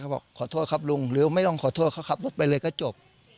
บอกขอโทษครับลุงหรือไม่ต้องขอโทษเขาขับรถไปเลยก็จบ